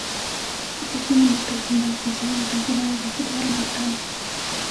Este partido marca el final oficial de la temporada de fútbol americano.